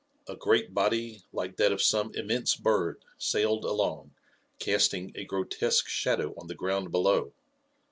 A great body, like that of some immense bird, sailed along, casting a grotesque shadow on the ground below.